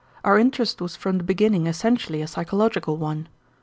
Our interest was from the beginning essentially a psychological one.